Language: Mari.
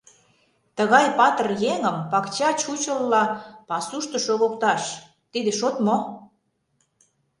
Тыгай патыр еҥым пакча чучылла пасушто шогыкташ — тиде шот мо?